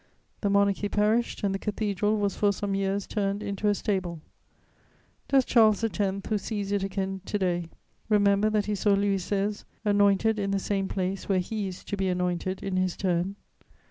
The Monarchy perished, and the Cathedral was for some years turned into a stable. Does Charles X., who sees it again to day, remember that he saw Louis XVI. anointed in the same place where he is to be anointed in his turn?